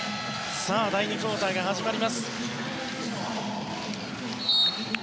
第２クオーターが始まります。